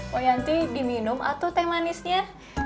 poyanti diminum atau teh manisnya